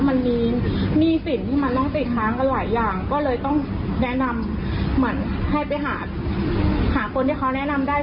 มันมีสินที่ติดค้างกับหลายอย่างก็เลยต้องนั่งมาให้ไปหาคนที่นั่งมาได้